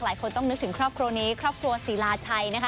หลายคนต้องนึกถึงครอบครัวนี้ครอบครัวศรีลาชัยนะคะ